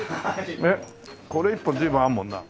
これ１本随分あるもんな。